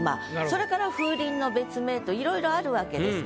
それから風鈴の別名と色々あるわけです。